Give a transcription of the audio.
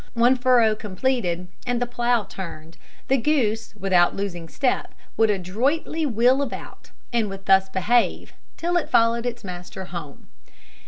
One furrow completed, and the plough turned, the goose, without losing step, would adroitly wheel about; and would thus behave, till it followed its master home.